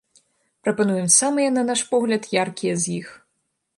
Прапануем самыя, на наш погляд, яркія з іх.